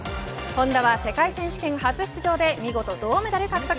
本多は世界選手権初出場で見事、銅メダル獲得。